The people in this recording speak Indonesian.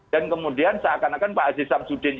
dan kemudian seakan akan pak haji sabzudin